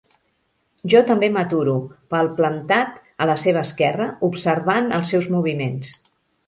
Jo també m'aturo, palplantat a la seva esquerra, observant els seus moviments.